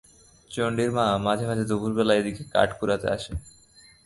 চণ্ডীর মা মাঝে মাঝে দুপুরবেলা এদিকে কাঠ কুড়াতে আসে।